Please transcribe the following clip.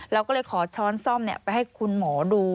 เราก็เลยขอช้อนซ่อมไปให้คุณหมอดู